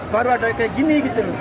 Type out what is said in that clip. baru ada kayak gini gitu